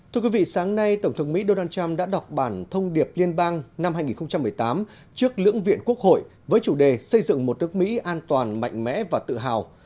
thưa quý vị sáng nay tổng thống mỹ donald trump đã đọc bản thông điệp liên bang năm hai nghìn một mươi tám trước lưỡng viện quốc hội với chủ đề xây dựng một nước mỹ an toàn mạnh mẽ và tự hào